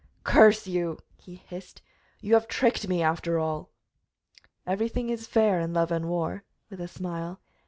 "Curse you!" he hissed. "You have tricked me, after all!" "Everything is fair in love and war," with a smile.